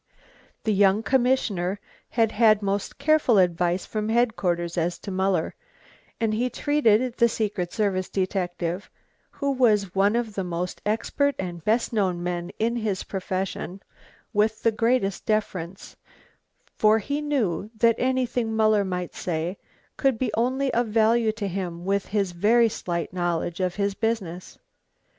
The young commissioner had had most careful advice from headquarters as to Muller, and he treated the secret service detective, who was one of the most expert and best known men in the profession, with the greatest deference, for he knew that anything Muller might say could be only of value to him with his very slight knowledge of his business.